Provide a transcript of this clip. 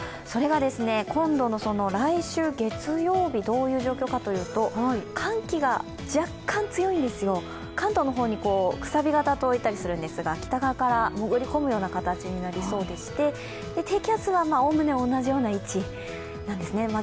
それが今度の来週月曜日、どういう状況かというと、寒気が若干強いんですよ関東の方に、くさび形といったりするんですが北側から潜り込むような形になりそうでして低気圧はおおむね同じような位置なんですね。